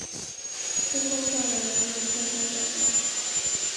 星空下的人们天天改变